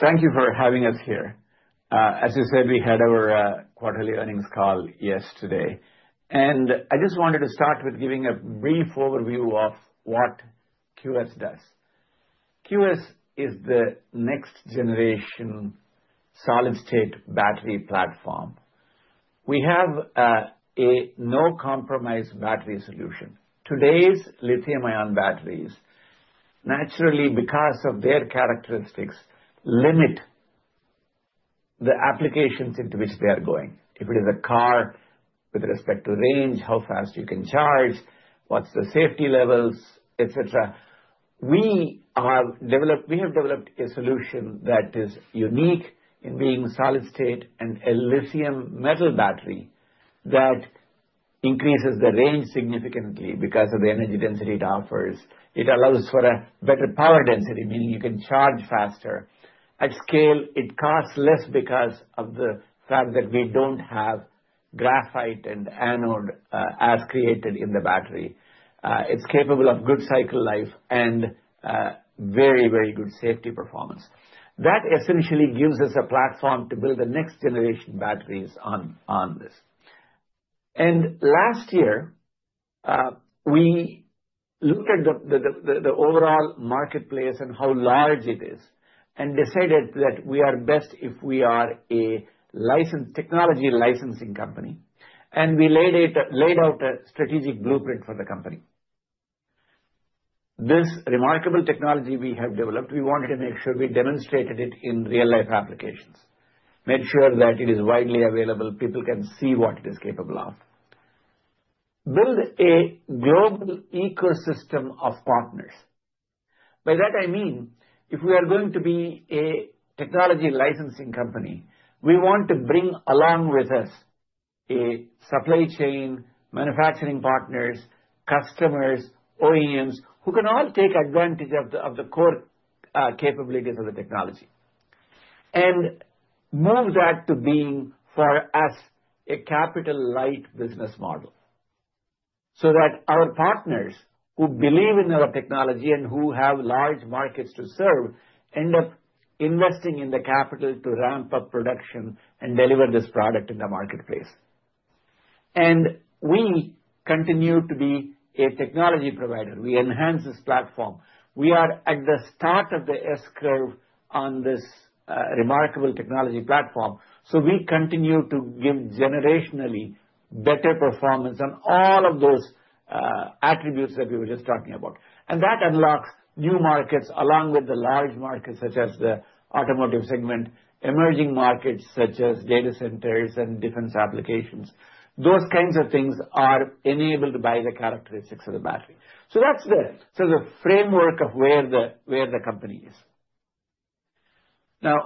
Thank you for having us here. As you said, we had our quarterly earnings call yesterday, and I just wanted to start with giving a brief overview of what QS does. QS is the next-generation solid-state battery platform. We have a no-compromise battery solution. Today's lithium-ion batteries, naturally, because of their characteristics, limit the applications into which they are going. If it is a car, with respect to range, how fast you can charge, what's the safety levels, etc. We have developed a solution that is unique in being a solid-state and a lithium metal battery that increases the range significantly because of the energy density it offers. It allows for a better power density, meaning you can charge faster. At scale, it costs less because of the fact that we don't have graphite and anode as created in the battery. It's capable of good cycle life and very, very good safety performance. That essentially gives us a platform to build the next-generation batteries on this, and last year, we looked at the overall marketplace and how large it is and decided that we are best if we are a technology licensing company, and we laid out a strategic blueprint for the company. This remarkable technology we have developed, we wanted to make sure we demonstrated it in real-life applications, made sure that it is widely available, people can see what it is capable of, and built a global ecosystem of partners. By that, I mean, if we are going to be a technology licensing company, we want to bring along with us a supply chain, manufacturing partners, customers, OEMs, who can all take advantage of the core capabilities of the technology and move that to being, for us, a capital-light business model so that our partners who believe in our technology and who have large markets to serve end up investing in the capital to ramp up production and deliver this product in the marketplace. And we continue to be a technology provider. We enhance this platform. We are at the start of the S-curve on this remarkable technology platform. So we continue to give generationally better performance on all of those attributes that we were just talking about. And that unlocks new markets along with the large markets such as the automotive segment, emerging markets such as data centers and defense applications. Those kinds of things are enabled by the characteristics of the battery. So that's the framework of where the company is. Now,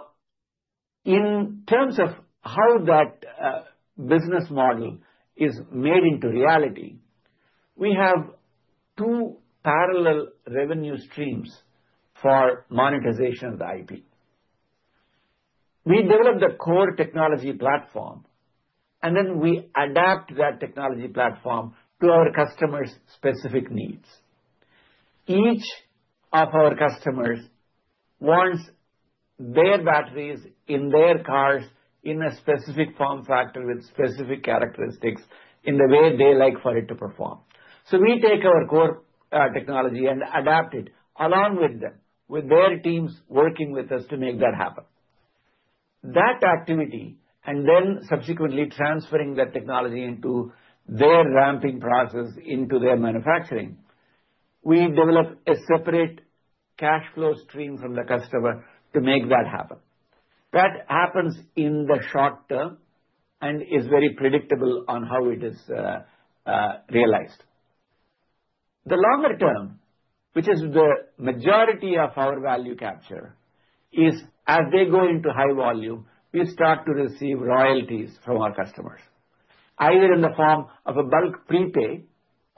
in terms of how that business model is made into reality, we have two parallel revenue streams for monetization of the IP. We develop the core technology platform, and then we adapt that technology platform to our customers' specific needs. Each of our customers wants their batteries in their cars in a specific form factor with specific characteristics in the way they like for it to perform. So we take our core technology and adapt it along with them, with their teams working with us to make that happen. That activity, and then subsequently transferring that technology into their ramping process, into their manufacturing, we develop a separate cash flow stream from the customer to make that happen. That happens in the short term and is very predictable on how it is realized. The longer term, which is the majority of our value capture, is as they go into high volume, we start to receive royalties from our customers, either in the form of a bulk prepay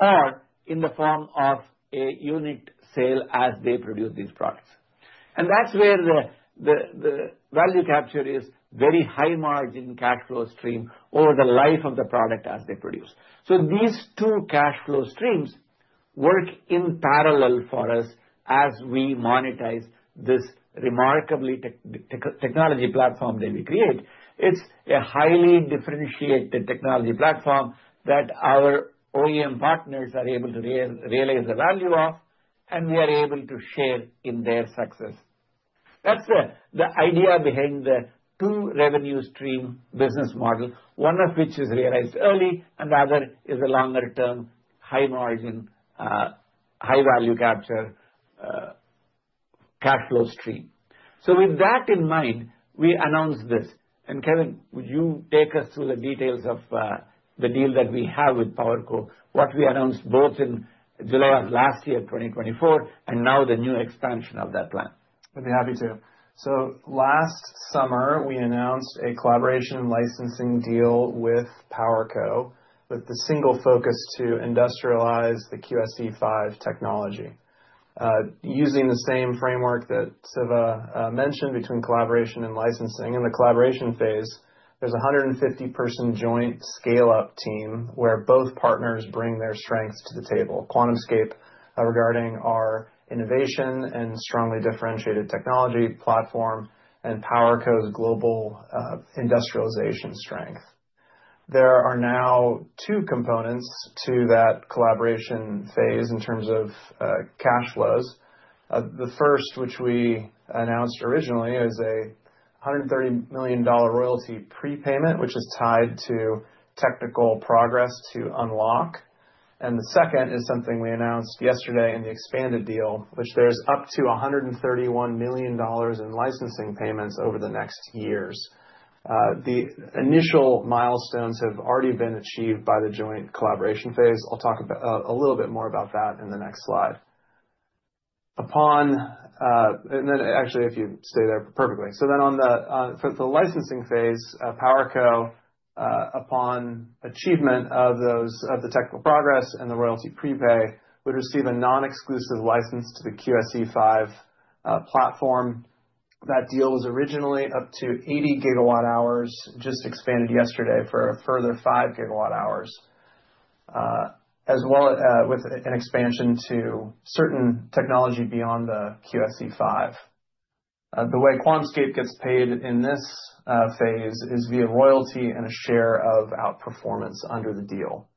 or in the form of a unit sale as they produce these products. And that's where the value capture is very high-margin cash flow stream over the life of the product as they produce. So these two cash flow streams work in parallel for us as we monetize this remarkable technology platform that we create. It's a highly differentiated technology platform that our OEM partners are able to realize the value of, and we are able to share in their success. That's the idea behind the two revenue stream business model, one of which is realized early, and the other is a longer-term, high-value capture cash flow stream. So with that in mind, we announced this. And Kevin, would you take us through the details of the deal that we have with PowerCo, what we announced both in July of last year, 2024, and now the new expansion of that plan? I'd be happy to. So last summer, we announced a collaboration licensing deal with PowerCo with the single focus to industrialize the QSE-5 technology. Using the same framework that Siva mentioned between collaboration and licensing. In the collaboration phase, there's a 150-person joint scale-up team where both partners bring their strengths to the table: QuantumScape regarding our innovation and strongly differentiated technology platform, and PowerCo's global industrialization strength. There are now two components to that collaboration phase in terms of cash flows. The first, which we announced originally, is a $130 million royalty prepayment, which is tied to technical progress to unlock. And the second is something we announced yesterday in the expanded deal, which there's up to $131 million in licensing payments over the next years. The initial milestones have already been achieved by the joint collaboration phase. I'll talk a little bit more about that in the next slide, and then actually, if you stay there perfectly. So then for the licensing phase, PowerCo, upon achievement of the technical progress and the royalty prepay, would receive a non-exclusive license to the QSE-5 platform. That deal was originally up to 80 GWh, just expanded yesterday for a further five GWh, as well as with an expansion to certain technology beyond the QSE-5. The way QuantumScape gets paid in this phase is via royalty and a share of outperformance under the deal.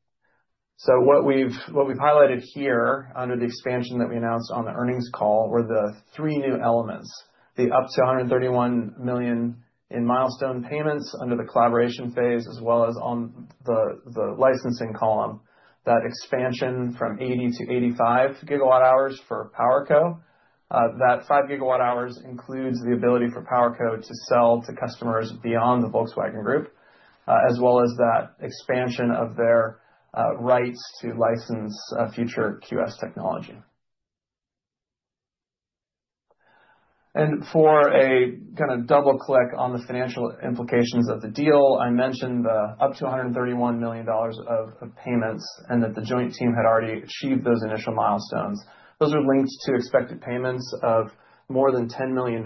So what we've highlighted here under the expansion that we announced on the earnings call were the three new elements: the up to $131 million in milestone payments under the collaboration phase, as well as on the licensing column, that expansion from 80 to 85 GWh for PowerCo. That 5 GWh includes the ability for PowerCo to sell to customers beyond the Volkswagen Group, as well as that expansion of their rights to license future QS technology. And for a kind of double-click on the financial implications of the deal, I mentioned the up to $131 million of payments and that the joint team had already achieved those initial milestones. Those are linked to expected payments of more than $10 million.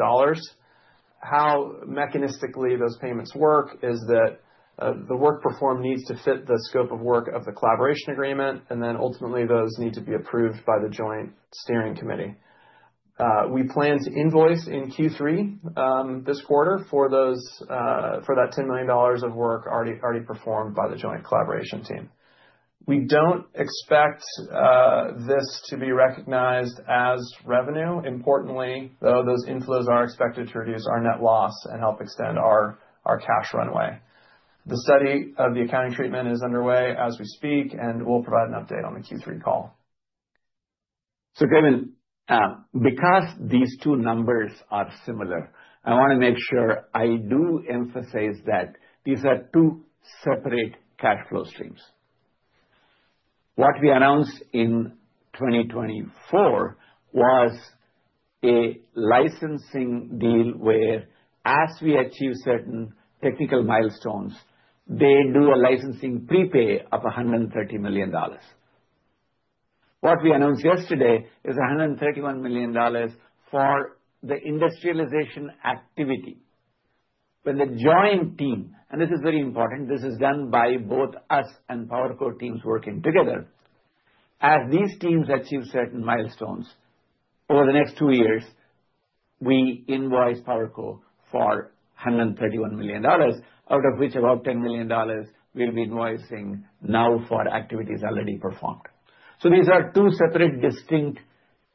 How mechanistically those payments work is that the work performed needs to fit the scope of work of the collaboration agreement, and then ultimately those need to be approved by the joint steering committee. We plan to invoice in Q3 this quarter for that $10 million of work already performed by the joint collaboration team. We don't expect this to be recognized as revenue. Importantly, though, those inflows are expected to reduce our net loss and help extend our cash runway. The study of the accounting treatment is underway as we speak, and we'll provide an update on the Q3 call. Kevin, because these two numbers are similar, I want to make sure I do emphasize that these are two separate cash flow streams. What we announced in 2024 was a licensing deal where, as we achieve certain technical milestones, they do a licensing prepay of $130 million. What we announced yesterday is $131 million for the industrialization activity. When the joint team, and this is very important, this is done by both us and PowerCo teams working together. As these teams achieve certain milestones over the next two years, we invoice PowerCo for $131 million, out of which about $10 million we'll be invoicing now for activities already performed. These are two separate distinct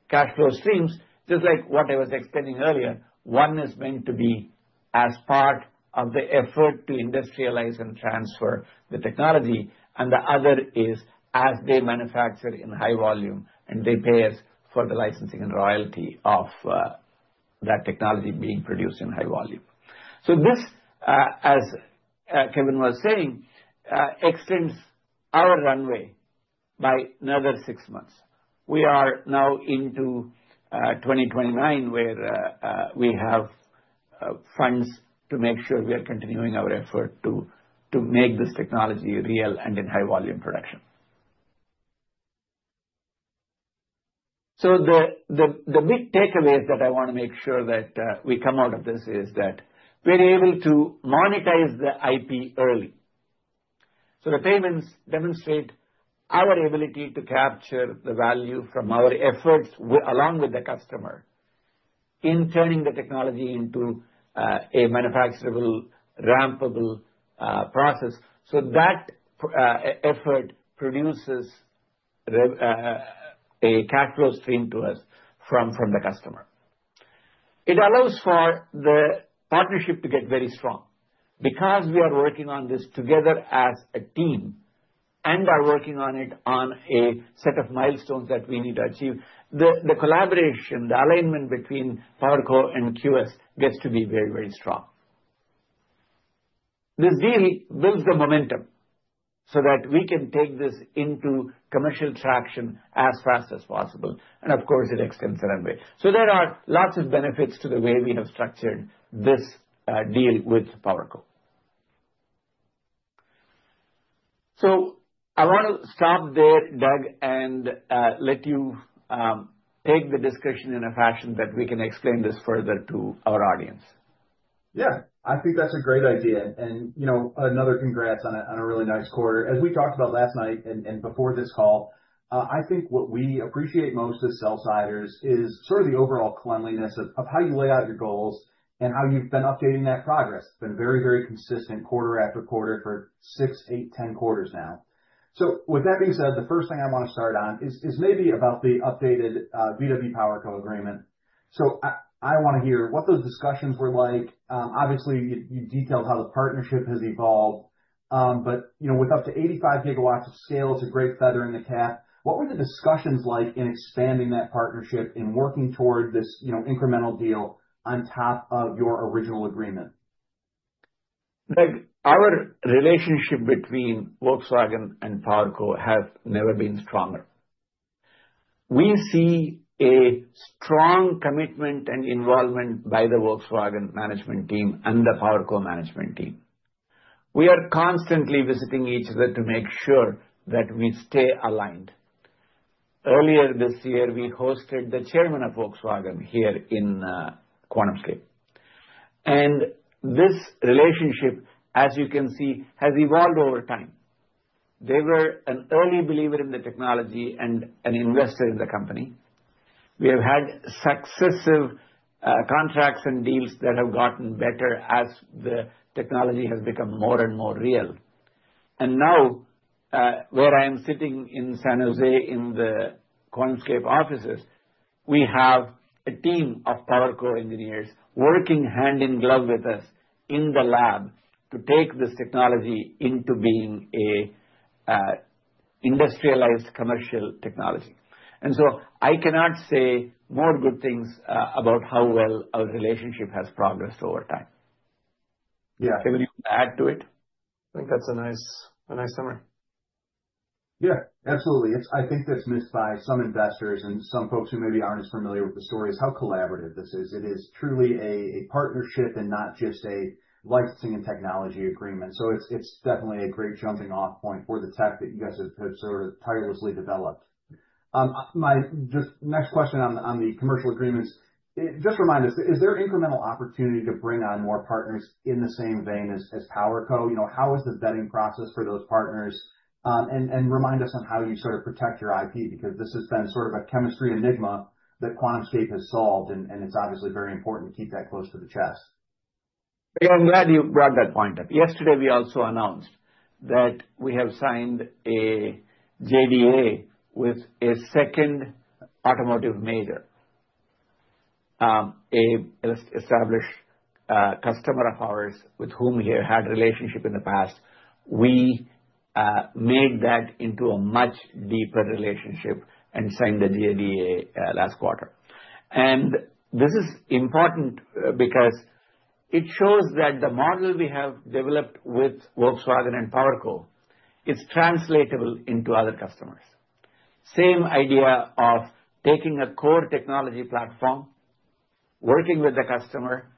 cash flow streams. Just like what I was explaining earlier, one is meant to be as part of the effort to industrialize and transfer the technology, and the other is as they manufacture in high volume and they pay us for the licensing and royalty of that technology being produced in high volume. So this, as Kevin was saying, extends our runway by another six months. We are now into 2029 where we have funds to make sure we are continuing our effort to make this technology real and in high-volume production. So the big takeaways that I want to make sure that we come out of this is that we're able to monetize the IP early. So the payments demonstrate our ability to capture the value from our efforts along with the customer in turning the technology into a manufacturable, rampable process. So that effort produces a cash flow stream to us from the customer. It allows for the partnership to get very strong because we are working on this together as a team and are working on it on a set of milestones that we need to achieve. The collaboration, the alignment between PowerCo and QS gets to be very, very strong. This deal builds the momentum so that we can take this into commercial traction as fast as possible. And of course, it extends the runway. So there are lots of benefits to the way we have structured this deal with PowerCo. So I want to stop there, Doug, and let you take the discussion in a fashion that we can explain this further to our audience. Yeah, I think that's a great idea. And another congrats on a really nice quarter. As we talked about last night and before this call, I think what we appreciate most as sell-siders is sort of the overall cleanliness of how you lay out your goals and how you've been updating that progress. It's been very, very consistent quarter after quarter for six, eight, 10 quarters now. So with that being said, the first thing I want to start on is maybe about the updated VW PowerCo agreement. So I want to hear what those discussions were like. Obviously, you detailed how the partnership has evolved, but with up to 85 GW hours of scale, it's a great feather in the cap. What were the discussions like in expanding that partnership and working toward this incremental deal on top of your original agreement? Doug, our relationship between Volkswagen and PowerCo has never been stronger. We see a strong commitment and involvement by the Volkswagen management team and the PowerCo management team. We are constantly visiting each other to make sure that we stay aligned. Earlier this year, we hosted the chairman of Volkswagen here in QuantumScape. And this relationship, as you can see, has evolved over time. They were an early believer in the technology and an investor in the company. We have had successive contracts and deals that have gotten better as the technology has become more and more real. And now, where I am sitting in San Jose in the QuantumScape offices, we have a team of PowerCo engineers working hand in glove with us in the lab to take this technology into being an industrialized commercial technology. And so I cannot say more good things about how well our relationship has progressed over time. Yeah. Kevin, you want to add to it? I think that's a nice summary. Yeah, absolutely. I think that's missed by some investors and some folks who maybe aren't as familiar with the story as how collaborative this is. It is truly a partnership and not just a licensing and technology agreement. So it's definitely a great jumping-off point for the tech that you guys have sort of tirelessly developed. My next question on the commercial agreements, just remind us, is there incremental opportunity to bring on more partners in the same vein as PowerCo? How is the vetting process for those partners? And remind us on how you sort of protect your IP because this has been sort of a chemistry enigma that QuantumScape has solved, and it's obviously very important to keep that close to the chest. I'm glad you brought that point up. Yesterday, we also announced that we have signed a JDA with a second automotive major, an established customer of ours with whom we had a relationship in the past. We made that into a much deeper relationship and signed the JDA last quarter, and this is important because it shows that the model we have developed with Volkswagen and PowerCo, it's translatable into other customers, same idea of taking a core technology platform, working with the customer,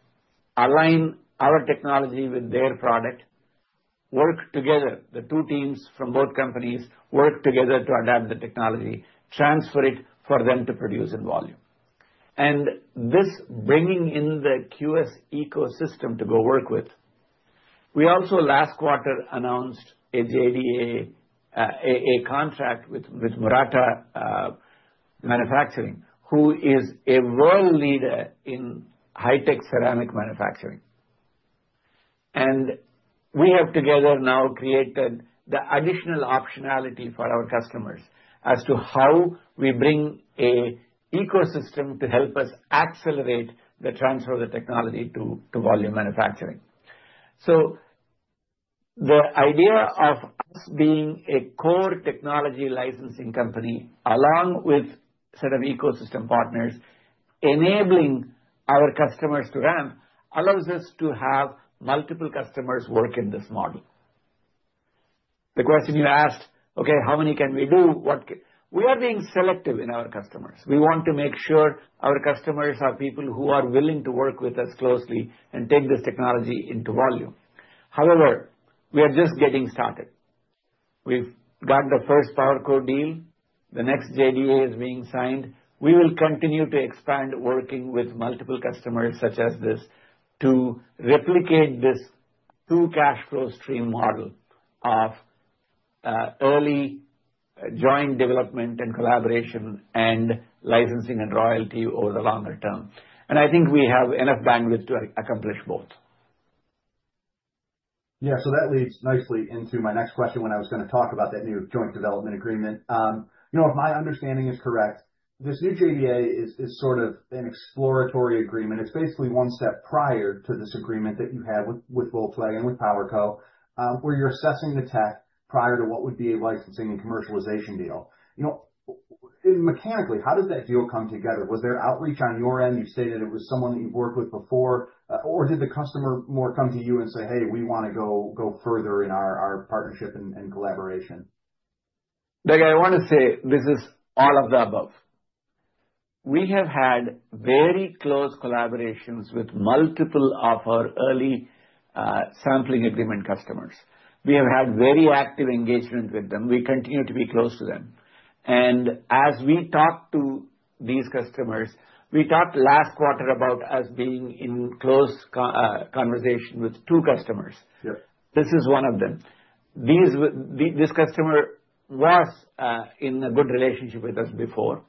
align our technology with their product, work together, the two teams from both companies work together to adapt the technology, transfer it for them to produce in volume, and this bringing in the QS ecosystem to go work with. We also last quarter announced a JDA, a contract with Murata Manufacturing, who is a world leader in high-tech ceramic manufacturing. And we have together now created the additional optionality for our customers as to how we bring an ecosystem to help us accelerate the transfer of the technology to volume manufacturing. So the idea of us being a core technology licensing company along with a set of ecosystem partners enabling our customers to ramp allows us to have multiple customers work in this model. The question you asked, okay, how many can we do? We are being selective in our customers. We want to make sure our customers are people who are willing to work with us closely and take this technology into volume. However, we are just getting started. We've got the first PowerCo deal. The next JDA is being signed. We will continue to expand working with multiple customers such as this to replicate this two cash flow stream model of early joint development and collaboration and licensing and royalty over the longer term, and I think we have enough bandwidth to accomplish both. Yeah, so that leads nicely into my next question when I was going to talk about that new joint development agreement. If my understanding is correct, this new JDA is sort of an exploratory agreement. It's basically one step prior to this agreement that you had with Volkswagen, with PowerCo, where you're assessing the tech prior to what would be a licensing and commercialization deal. Mechanically, how does that deal come together? Was there outreach on your end? You stated it was someone that you've worked with before. Or did the customer more come to you and say, "Hey, we want to go further in our partnership and collaboration"? Doug, I want to say this is all of the above. We have had very close collaborations with multiple of our early sampling agreement customers. We have had very active engagement with them. We continue to be close to them, and as we talk to these customers, we talked last quarter about us being in close conversation with two customers. This is one of them. This customer was in a good relationship with us before,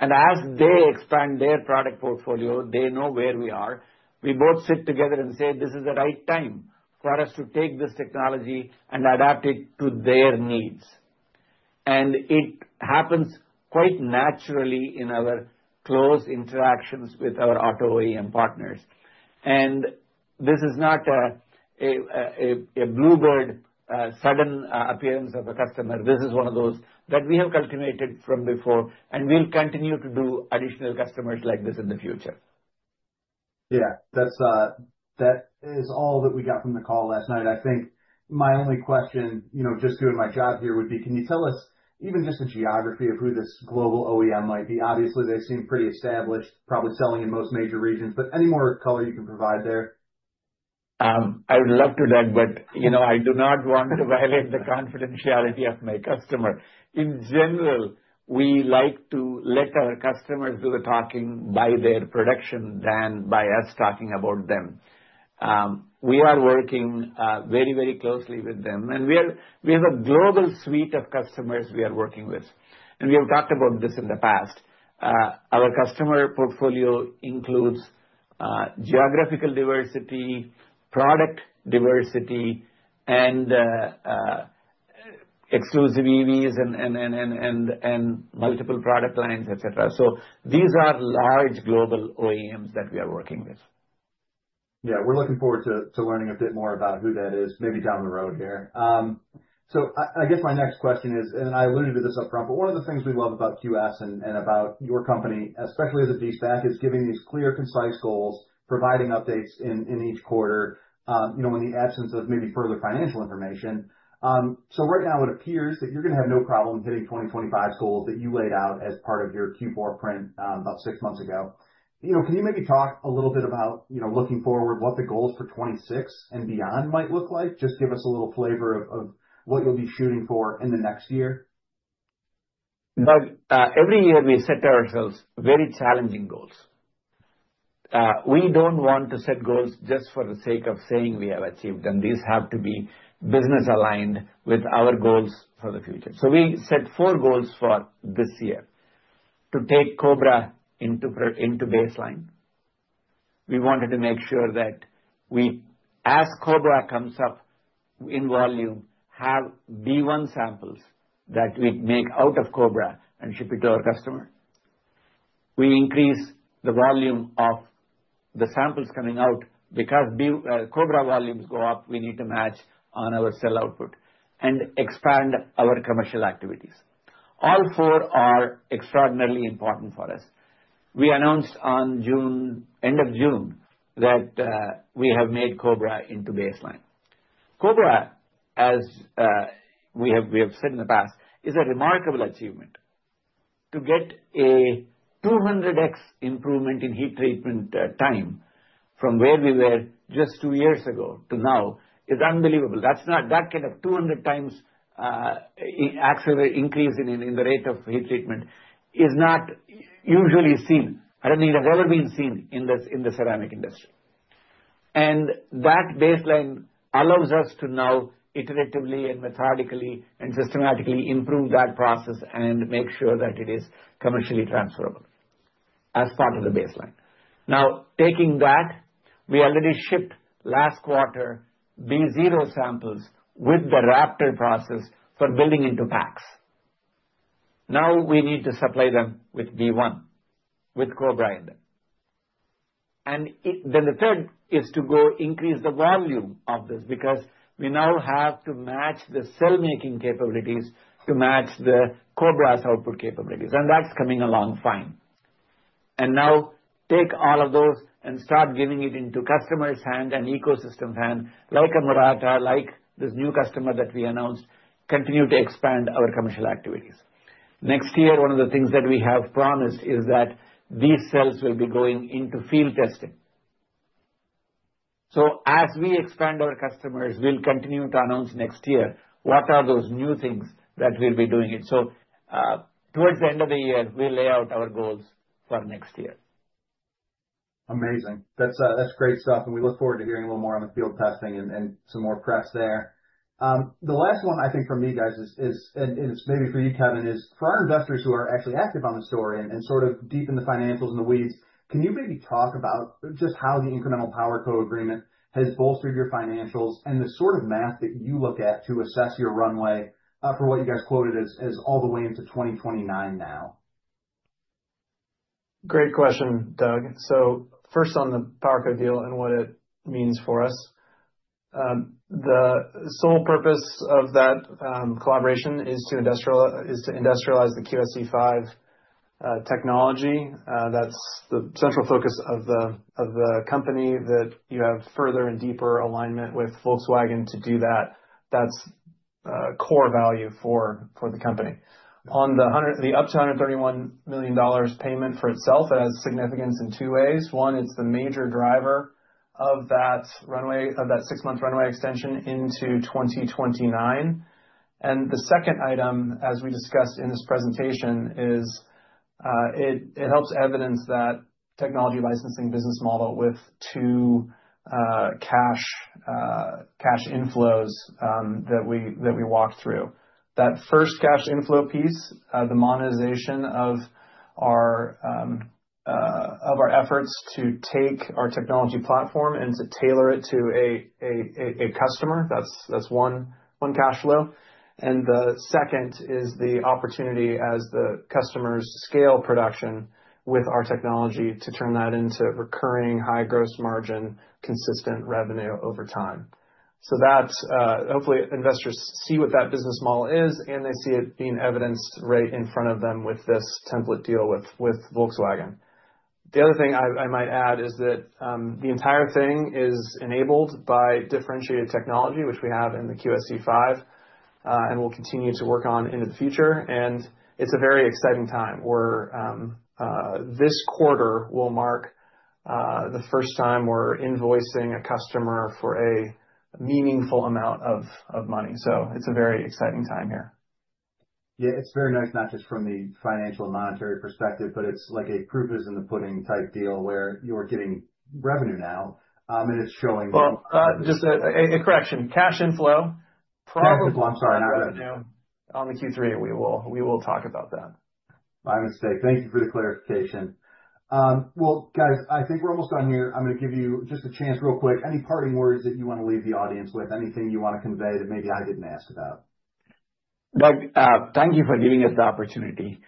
and as they expand their product portfolio, they know where we are. We both sit together and say, "This is the right time for us to take this technology and adapt it to their needs," and it happens quite naturally in our close interactions with our auto OEM partners, and this is not a bluebird sudden appearance of a customer. This is one of those that we have cultivated from before, and we'll continue to do additional customers like this in the future. Yeah, that is all that we got from the call last night. I think my only question, just doing my job here, would be: Can you tell us even just the geography of who this global OEM might be? Obviously, they seem pretty established, probably selling in most major regions, but any more color you can provide there? I would love to, Doug, but I do not want to violate the confidentiality of my customer. In general, we like to let our customers do the talking by their production than by us talking about them. We are working very, very closely with them, and we have a global suite of customers we are working with, and we have talked about this in the past. Our customer portfolio includes geographical diversity, product diversity, and exclusive EVs and multiple product lines, etc., so these are large global OEMs that we are working with. Yeah, we're looking forward to learning a bit more about who that is maybe down the road here. So I guess my next question is, and I alluded to this upfront, but one of the things we love about QS and about your company, especially as a De-SPAC, is giving these clear, concise goals, providing updates in each quarter in the absence of maybe further financial information. So right now, it appears that you're going to have no problem hitting 2025's goals that you laid out as part of your Q4 print about six months ago. Can you maybe talk a little bit about looking forward, what the goals for 2026 and beyond might look like? Just give us a little flavor of what you'll be shooting for in the next year. Doug, every year we set ourselves very challenging goals. We don't want to set goals just for the sake of saying we have achieved, and these have to be business-aligned with our goals for the future. So we set four goals for this year to take Cobra into baseline. We wanted to make sure that as Cobra comes up in volume, have B1 samples that we make out of Cobra and ship it to our customer. We increase the volume of the samples coming out because Cobra volumes go up, we need to match on our cell output and expand our commercial activities. All four are extraordinarily important for us. We announced at end of June that we have made Cobra into baseline. Cobra, as we have said in the past, is a remarkable achievement. To get a 200x improvement in heat treatment time from where we were just two years ago to now is unbelievable. That kind of 200x increase in the rate of heat treatment is not usually seen. I don't think it has ever been seen in the ceramic industry, and that baseline allows us to now iteratively and methodically and systematically improve that process and make sure that it is commercially transferable as part of the baseline. Now, taking that, we already shipped last quarter B0 samples with the Raptor process for building into packs. Now we need to supply them with B1 with Cobra in them, and then the third is to go increase the volume of this because we now have to match the cell-making capabilities to match the Cobra's output capabilities. And that's coming along fine. Now take all of those and start giving it into customers' hands and ecosystems' hands like a Murata, like this new customer that we announced, continue to expand our commercial activities. Next year, one of the things that we have promised is that these cells will be going into field testing. As we expand our customers, we'll continue to announce next year what are those new things that we'll be doing. Towards the end of the year, we'll lay out our goals for next year. Amazing. That's great stuff, and we look forward to hearing a little more on the field testing and some more press there. The last one, I think, for me, guys, and it's maybe for you, Kevin, is for our investors who are actually active on the story and sort of deep in the financials and the weeds. Can you maybe talk about just how the incremental PowerCo agreement has bolstered your financials and the sort of math that you look at to assess your runway for what you guys quoted as all the way into 2029 now? Great question, Doug. So first on the PowerCo deal and what it means for us. The sole purpose of that collaboration is to industrialize the QSE-5 technology. That's the central focus of the company that you have further and deeper alignment with Volkswagen to do that. That's core value for the company. On the up to $131 million payment for itself, it has significance in two ways. One, it's the major driver of that six-month runway extension into 2029. And the second item, as we discussed in this presentation, is it helps evidence that technology licensing business model with two cash inflows that we walked through. That first cash inflow piece, the monetization of our efforts to take our technology platform and to tailor it to a customer, that's one cash flow. And the second is the opportunity as the customers scale production with our technology to turn that into recurring high gross margin consistent revenue over time. So that hopefully investors see what that business model is, and they see it being evidenced right in front of them with this template deal with Volkswagen. The other thing I might add is that the entire thing is enabled by differentiated technology, which we have in the QSE-5 and will continue to work on into the future. And it's a very exciting time where this quarter will mark the first time we're invoicing a customer for a meaningful amount of money. So it's a very exciting time here. Yeah, it's very nice, not just from the financial and monetary perspective, but it's like a proof is in the pudding type deal where you're getting revenue now, and it's showing that. Just a correction. Cash inflow. I'm sorry. On the Q3, we will talk about that. My mistake. Thank you for the clarification. Well, guys, I think we're almost done here. I'm going to give you just a chance real quick. Any parting words that you want to leave the audience with? Anything you want to convey that maybe I didn't ask about? Doug, thank you for giving us the opportunity.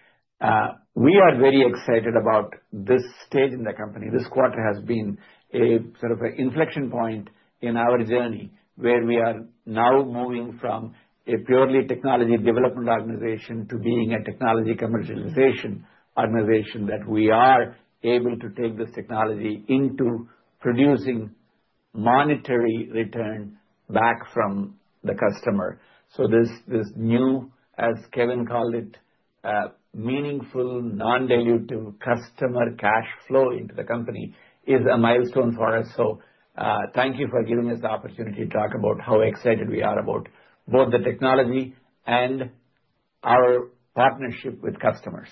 We are very excited about this stage in the company. This quarter has been a sort of an inflection point in our journey where we are now moving from a purely technology development organization to being a technology commercialization organization that we are able to take this technology into producing monetary return back from the customer. So this new, as Kevin called it, meaningful non-dilutive customer cash flow into the company is a milestone for us. So thank you for giving us the opportunity to talk about how excited we are about both the technology and our partnership with customers.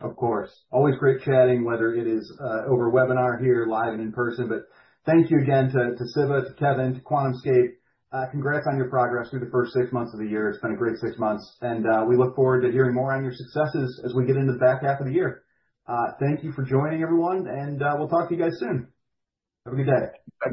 Of course. Always great chatting, whether it is over webinar here, live and in person. But thank you again to Siva, to Kevin, to QuantumScape. Congrats on your progress through the first six months of the year. It's been a great six months. And we look forward to hearing more on your successes as we get into the back half of the year. Thank you for joining, everyone. And we'll talk to you guys soon. Have a good day.